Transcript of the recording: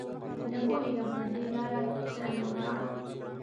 نه پوهېږم پر دې لاره څرنګه ولاړم